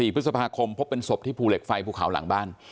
๔พฤษภาคมพบเป็นศพที่ภูเหล็กไฟภูเขาหลังบ้าน